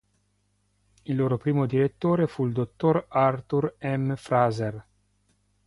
Il loro primo direttore fu il dottor Arthur M. Fraser.